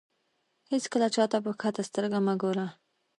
هېڅکله چاته په کښته سترګه مه ګوره.